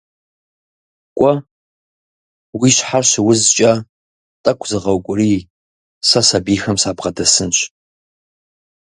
Кӏуэ, уи щхьэр щыузкӏэ тӏэкӏу зыгъэукӏурий, сэ сэбийхэм сабгъэдэсынщ.